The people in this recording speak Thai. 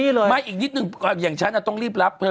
ไม่อีกนิดนึงอย่างฉันต้องรีบรับเธอ